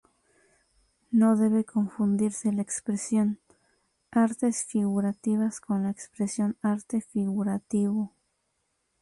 No debe confundirse la expresión "artes figurativas" con la expresión "arte figurativo".